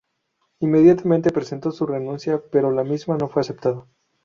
Inmediatamente presentó su renuncia, pero la misma no fue aceptada.